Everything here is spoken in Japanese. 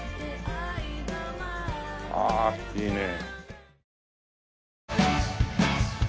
ああいいね。